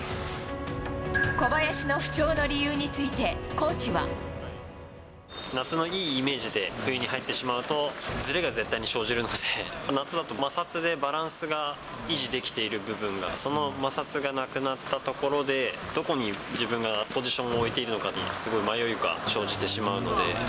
小林の不調の理由について、夏のいいイメージで冬に入ってしまうと、ずれが絶対に生じるので、夏だと、摩擦でバランスが維持できている部分が、その摩擦がなくなったところで、どこに自分がポジションを置いているのかに、すごい迷いが生じてしまうので。